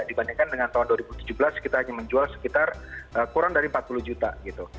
dibandingkan dengan tahun dua ribu tujuh belas kita hanya menjual sekitar kurang dari empat puluh juta gitu